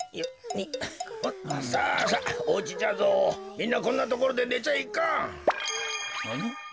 みんなこんなところでねちゃいかん。